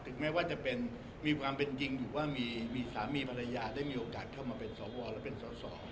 แม้ว่าจะเป็นมีความเป็นจริงอยู่ว่ามีสามีภรรยาได้มีโอกาสเข้ามาเป็นสวและเป็นสอสอ